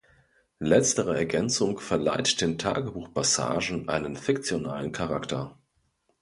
Letztere Ergänzung verleiht den Tagebuch-Passagen einen fiktionalen Charakter.